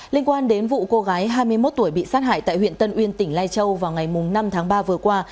liên quan đến vụ cô gái hai mươi một tuổi bị sát hại tại huyện tân uyên tỉnh lai châu vào ngày năm tháng ba vừa qua